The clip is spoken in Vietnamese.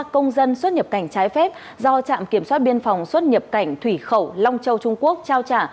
ba công dân xuất nhập cảnh trái phép do trạm kiểm soát biên phòng xuất nhập cảnh thủy khẩu long châu trung quốc trao trả